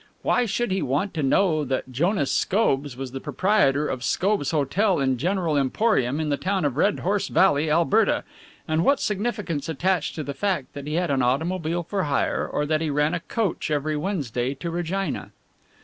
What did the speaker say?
Why should he want to know that Jonas Scobbs was the proprietor of Scobbs' Hotel and General Emporium in the town of Red Horse Valley, Alberta, and what significance attached to the fact that he had an automobile for hire or that he ran a coach every Wednesday to Regina?